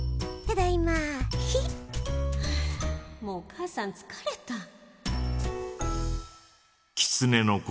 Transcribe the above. もう母さんつかれた。